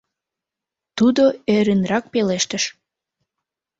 Тудо ӧрынрак пелештыш: